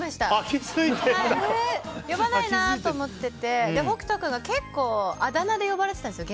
呼ばないなって思ってて北斗君が結構あだ名で呼ばれてたんですよ